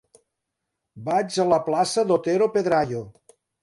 Vaig a la plaça d'Otero Pedrayo.